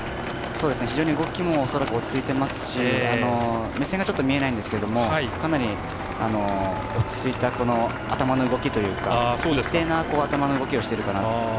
非常に動きも落ち着いていますし目線が見えないんですけどかなり、落ち着いた頭の動きというか一定の頭の動きをしてるかな。